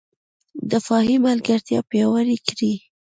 دفاعي ملګرتیا پیاوړې کړي